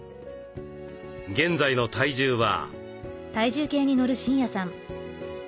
現在の体重は。